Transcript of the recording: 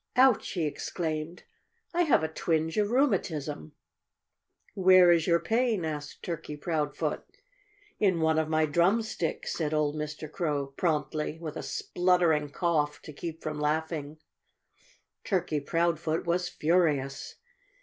"Ouch!" he exclaimed. "I have a twinge of rheumatism." "Where is your pain?" asked Turkey Proudfoot. "In one of my drumsticks," said old Mr. Crow promptly, with a spluttering cough, to keep from laughing. Turkey Proudfoot was furious.